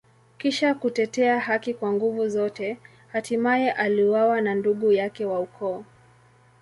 Kisha kutetea haki kwa nguvu zote, hatimaye aliuawa na ndugu yake wa ukoo.